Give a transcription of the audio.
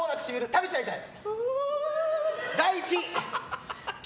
食べちゃいたい。